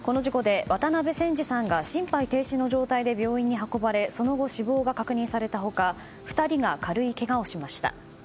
この事故で、渡辺仙二さんが心肺停止の状態で病院に運ばれその後、死亡が確認された他２人が軽いけがをしました。